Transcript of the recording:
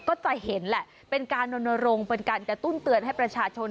ก็จะเห็นแหละเป็นการรณรงค์เป็นการกระตุ้นเตือนให้ประชาชน